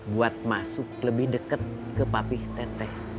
buat masuk lebih dekat ke papih teteh